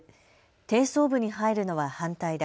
低層部に入るのは反対だ。